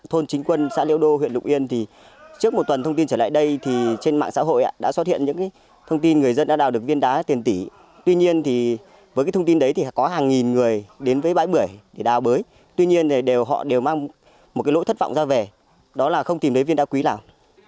họ đều mang một cái lỗi thất vọng ra về đó là không tìm đến viên đá quý nào